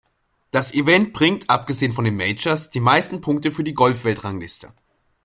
Das Event bringt, abgesehen von den "Majors", die meisten Punkte für die Golfweltrangliste.